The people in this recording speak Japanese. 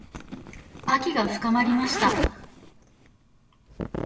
秋が深まりました。